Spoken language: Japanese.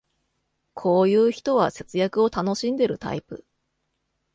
こういう人は節約を楽しんでるタイプ